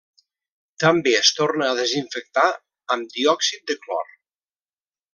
També es torna a desinfectar amb diòxid de clor.